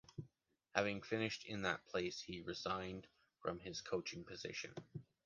Having finished in that place, he resigned from his coaching position.